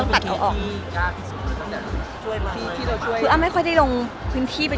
เป็นเอาใจเชียด